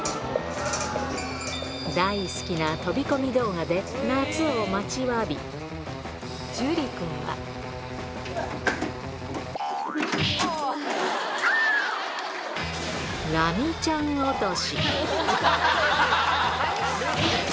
大好きな飛び込み動画で、夏を待ちわび、ジュリくんは。きゃー！ラミちゃん落とし。